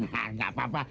hah nggak apa apa